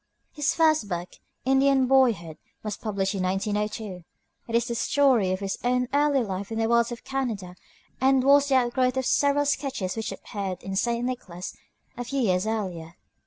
His first book, "Indian Boyhood," was published in 1902. It is the story of his own early life in the wilds of Canada, and was the outgrowth of several sketches which appeared in St. Nicholas a few years earlier.